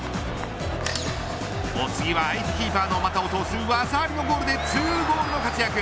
お次は相手キーパーの股を通す技ありの２ゴールの活躍。